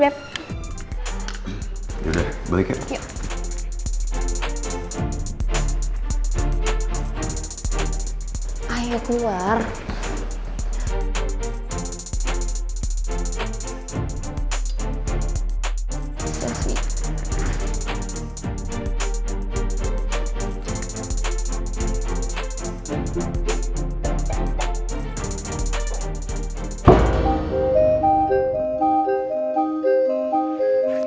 thank you beb